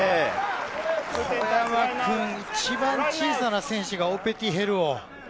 小山君、一番小さな選手が、オペティ・ヘルを。